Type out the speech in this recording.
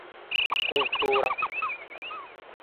култура